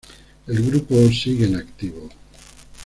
El grupo sigue en activo.